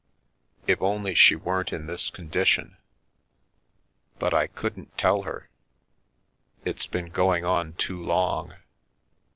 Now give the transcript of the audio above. If only she weren't in this condition But I couldn't tell her, it's been going on too long.